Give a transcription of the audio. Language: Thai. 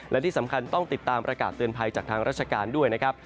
และที่สำคัญต้องติดตามประกาศเตือนภัยจากทางราชการด้วยนะครับ